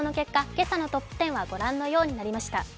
今朝のトップ１０は、ご覧のようになりました。